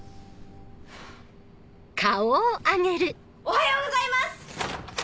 おはようございます！